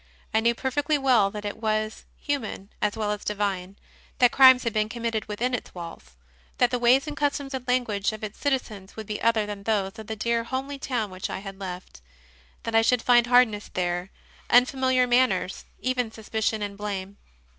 I knew perfectly well that it was human as well as divine, that crimes had been committed within its walls; that the ways and customs and language of its citizens would be other than those of the dear homely town which I had left; that I should find hardness there, unfamiliar manners, even suspicion and blame.